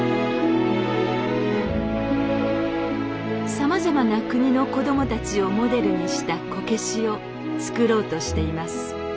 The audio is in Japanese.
さまざまな国の子供たちをモデルにしたこけしを作ろうとしています。